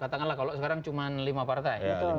katakanlah kalau sekarang cuma lima partai